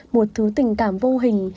một thứ tình cảm vô hình